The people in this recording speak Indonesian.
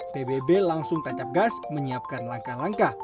pbb langsung tancap gas menyiapkan langkah langkah